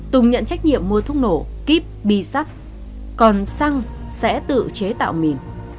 tùng nhận trách nhiệm mua thuốc nổ kíp bi sắt còn săng sẽ tự chế tạo mìn